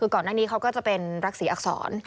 ก่อนหน้านี้เขาก็จะเป็นรักษีอักษร